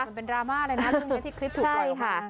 มันเป็นรามาอะไรนะเรื่องนี้ที่คลิปถูกรอบมา